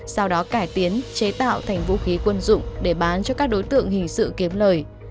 sau đó cải tiến chế tạo thành vũ khí quân dụng để bán cho các đối tượng hình sự kiếm lời